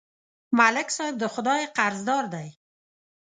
ملک صاحب د خدای قرضدار دی.